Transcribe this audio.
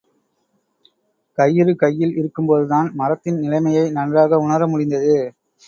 கயிறு கையில் இருக்கும்போதுதான் மரத்தின் நிலைமையை நன்றாக உணர முடிந்தது.